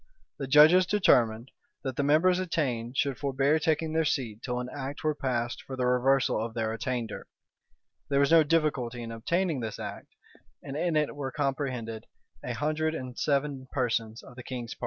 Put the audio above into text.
[] The judges determined, that the members attainted should forbear taking their seat till an act were passed for the reversal of their attainder. There was no difficulty in obtaining this act; and in it were comprehended a hundred and seven persons of the king's party.[] * Polyd. Virg. p. 567.